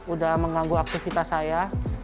udah mengganggu aktivitas saya